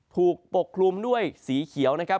ปกคลุมด้วยสีเขียวนะครับ